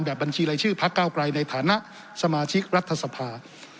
แบบบัญชีไรชื่อพระเก้ากลายในฐานะสมาชิกรัฐศพา